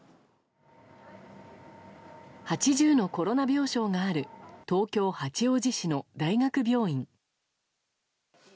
８０のコロナ病床がある東京・八王子市の大学病院。